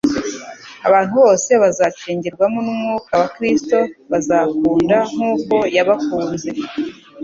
Abantu bose bazacengerwamo n'umwuka wa Kristo bazakunda nk'uko yabakunze.